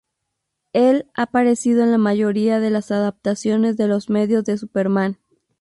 Él ha aparecido en la mayoría de las adaptaciones de los medios de Superman.